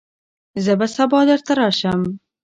زه به سبا درته راشم.